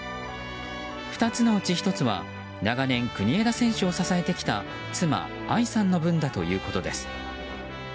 ２つのうち１つは長年、国枝選手を支えてきた妻・愛さんの分だということです。